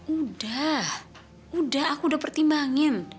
udah udah aku udah pertimbangin